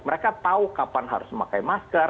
mereka tahu kapan harus memakai masker